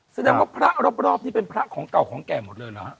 สัญญาณว่าพระรอบนี่เป็นพระของเก่าของแก่หมดเลยหรือ